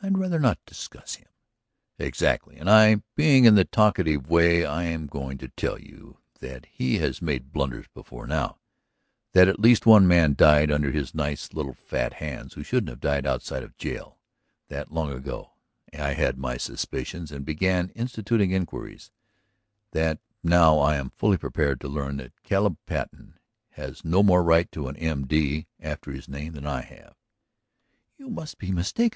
"I'd rather not discuss him." "Exactly. And I, being in the talkative way, am going to tell you that he has made blunders before now; that at least one man died under his nice little fat hands who shouldn't have died outside of jail; that long ago I had my suspicions and began instituting inquiries; that now I am fully prepared to learn that Caleb Patten has no more right to an M.D. after his name than I have." "You must be mistaken.